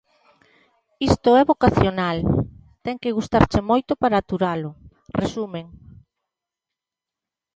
"Isto é vocacional, ten que gustarche moito para aturalo", resumen.